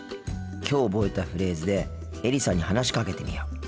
きょう覚えたフレーズでエリさんに話しかけてみよう。